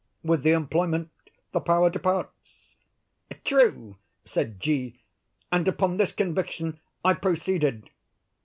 With the employment the power departs." "True," said G.; "and upon this conviction I proceeded.